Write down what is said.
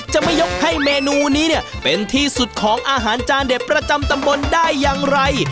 จะไม่ยกให้เมนูนี้เนี่ยเป็นที่สุดของอาหารจานเด็ดประจำตำบลได้อย่างไร